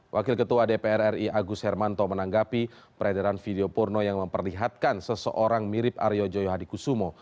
wakil ketua dpr ri agus hermanto menanggapi peredaran video porno yang memperlihatkan seseorang mirip aryo joyo hadikusumo